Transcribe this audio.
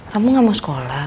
kamu gak mau sekolah